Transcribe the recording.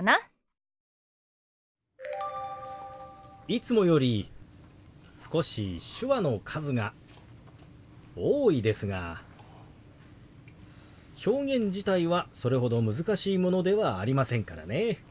いつもより少し手話の数が多いですが表現自体はそれほど難しいものではありませんからね。